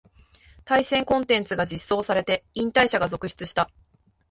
対戦コンテンツが実装されて引退者が続出した